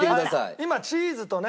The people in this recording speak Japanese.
今チーズとね。